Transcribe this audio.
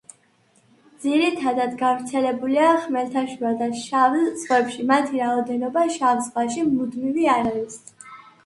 ძირითადად გავრცელებულია ხმელთაშუა და შავ ზღვებში; მათი რაოდენობა შავ ზღვაში მუდმივი არ არის.